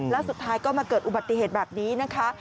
แล้วสุดท้ายก็มาเกิดอุบัติเหตุแบบนี้นะคะ